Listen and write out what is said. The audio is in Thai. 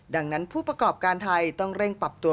ดังนั้นผู้ประกอบการไทยต้องเร่งปรับตัว